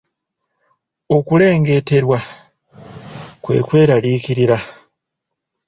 Okulengeterwa kwe kweraliikirira.